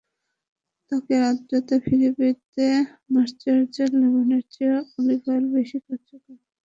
ত্বকের আর্দ্রতা ফিরে পেতে ময়েশ্চারাইজিং লোশনের চেয়েও অলিভ অয়েল বেশি কার্যকর।